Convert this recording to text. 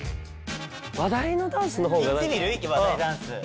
話題のダンスの方が。